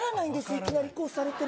いきなりこうされても。